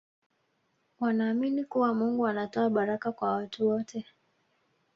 wanaamini kuwa mungu anatoa baraka kwa watu wote